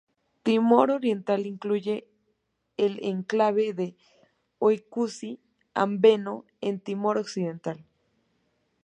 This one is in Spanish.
Timor Oriental incluye el enclave de Oecussi-Ambeno en Timor Occidental.